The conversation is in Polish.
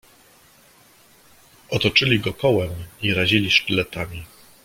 "Otoczyli go kołem i razili sztyletami."